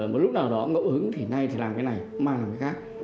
một lúc nào đó ngẫu hứng thì này thì làm cái này mà làm cái khác